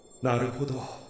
なるほど。